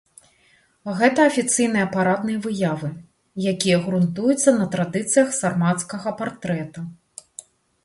Гэта афіцыйныя парадныя выявы, якія грунтуюцца на традыцыях сармацкага партрэта.